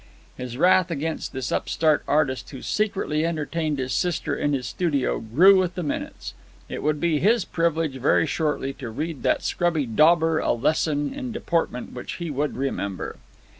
His wrath against this upstart artist who secretly entertained his sister in his studio grew with the minutes. It would be his privilege very shortly to read that scrubby dauber a lesson in deportment which he would remember.